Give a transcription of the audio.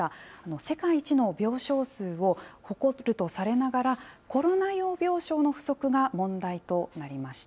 世界一の病床数を誇るとされながら、コロナ用病床の不足が問題となりました。